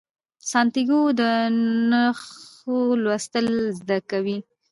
سانتیاګو د نښو لوستل زده کوي.